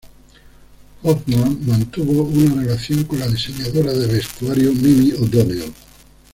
Hoffman mantuvo una relación con la diseñadora de vestuario Mimi O'Donnell.